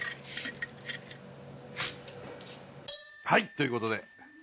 はい！という事で。